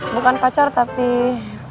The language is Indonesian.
bukan pacar tapi amin cepat sembuh